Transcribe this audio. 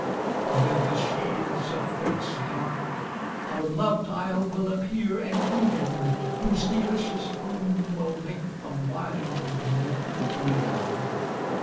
Amid the shades of forests dark, Our loved isle will appear An Eden, whose delicious bloom Will make the wild more drear.